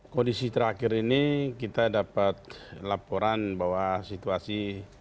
kondisi terakhir ini kita dapat laporan bahwa situasi